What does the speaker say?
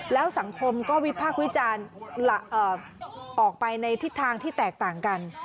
แล้วสังคมก็วิพากษ์วิจารณ์ออกไปในทิศทางที่แตกต่างกัน